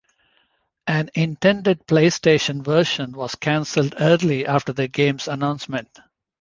An intended PlayStation version was canceled early after the game's announcement.